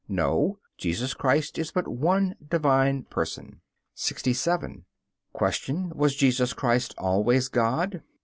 No, Jesus Christ is but one Divine Person. 67. Q. Was Jesus Christ always God? A.